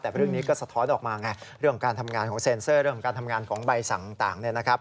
แต่พอเรื่องนี้ก็สะท้อนออกมา